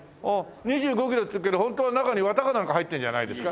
２５キロっていうけど本当は中に綿かなんか入ってるんじゃないですか？